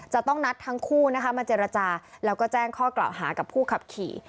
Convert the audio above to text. จะต้องนัดทั้งคู่นะคะมาเจรจาแล้วก็แจ้งข้อกล่าวหากับผู้ขับขี่